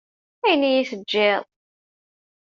Ayen i yi-teǧǧiḍ.